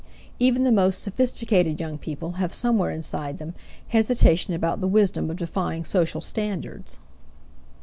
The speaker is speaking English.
Even the most sophisticated young people have somewhere inside them hesitations about the wisdom of defying social standards.